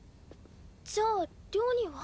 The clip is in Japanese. じゃあ寮には？